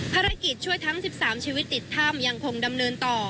ภารกิจช่วยทั้ง๑๓ชีวิตติดถ้ำยังคงดำเนินต่อ